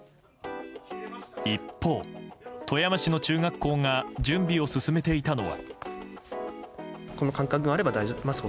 一方、富山市の中学校が準備を進めていたのは。